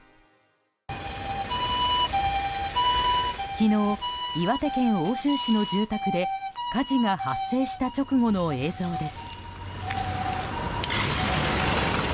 昨日、岩手県奥州市の住宅で火事が発生した直後の映像です。